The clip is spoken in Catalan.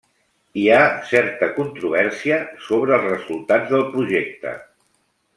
Hi ha certa controvèrsia sobre els resultats del projecte.